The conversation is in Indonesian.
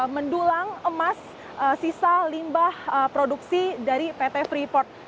mendulang emas sisa limbah produksi dari pt freeport